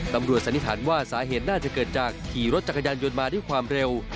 สันนิษฐานว่าสาเหตุน่าจะเกิดจากขี่รถจักรยานยนต์มาด้วยความเร็ว